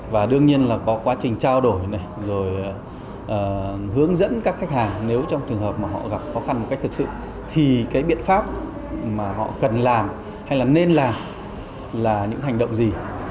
và đương nhiên là có quá trình trao đổi này rồi hướng dẫn các khách hàng nếu trong trường hợp mà họ gặp khó khăn một cách thực sự thì cái biện pháp mà họ cần làm hay là nên làm là những hành động gì